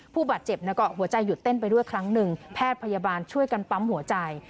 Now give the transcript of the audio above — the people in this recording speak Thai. ผู้บาดเจ็บแล้วก็หัวใจหยุดเต้นไปด้วยครั้งหนึ่งแพทย์พยาบาลช่วยกันปั๊มหัวใจ